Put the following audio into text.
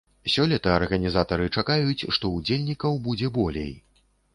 Сёлета арганізатары чакаюць, што ўдзельнікаў будзе болей.